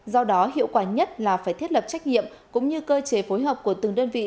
do đó hiệu quả nhất là phải thiết lập trách nhiệm cũng như cơ chế phối hợp của từng đơn vị